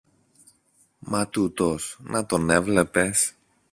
Μα τούτος! Να τον έβλεπες!